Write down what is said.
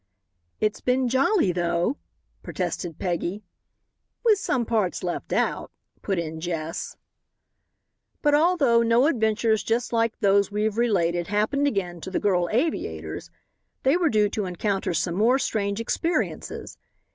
"It's been jolly, though," protested Peggy. "With some parts left out," put in Jess. But although no adventures just like those we have related happened again to the Girl Aviators, they were due to encounter some more strange experiences.